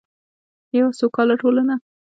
یوه سوکاله ټولنه.